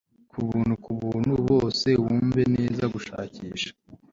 kubuntu kubuntu bose Wumve neza gushakisha